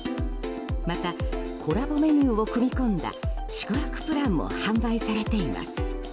また、コラボメニューを組み込んだ宿泊プランも販売されています。